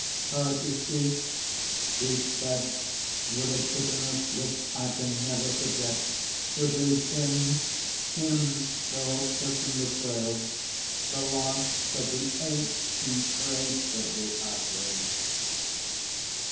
"Her decease," he said, with a bitterness which I can never forget, "would leave him (him the hopeless and the frail) the last of the ancient race of the Ushers."